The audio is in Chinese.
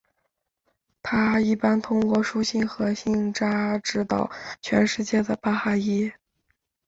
它一般通过书信和信札指导全世界的巴哈伊。